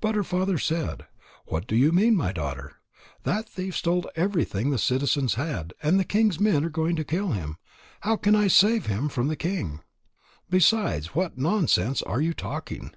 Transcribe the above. But her father said: "What do you mean, my daughter? That thief stole everything the citizens had, and the king's men are going to kill him. How can I save him from the king? Besides, what nonsense are you talking?"